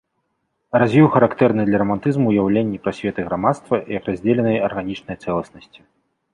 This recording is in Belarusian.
Развіў характэрныя для рамантызму ўяўленні пра свет і грамадства як раздзеленай арганічнай цэласнасці.